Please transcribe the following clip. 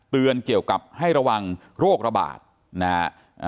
เกี่ยวกับให้ระวังโรคระบาดนะฮะ